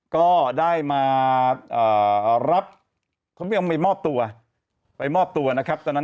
ก็ได้มารับเขาไม่ออกไปมอบตัวนะครับตอนนั้น